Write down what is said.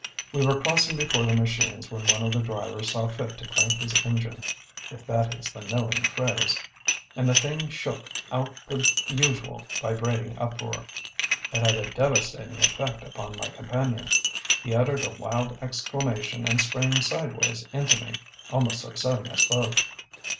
We were crossing before the machines when one of the drivers saw fit to crank his engine (if that is the knowing phrase) and the thing shook out the usual vibrating uproar. It had a devastating effect upon my companion. He uttered a wild exclamation and sprang sideways into me, almost upsetting us both.